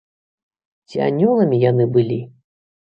Ці анёламі яны былі?